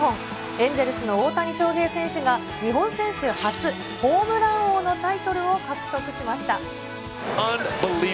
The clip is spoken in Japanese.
エンゼルスの大谷翔平選手が、日本選手初、ホームラン王のタイトルを獲得しました。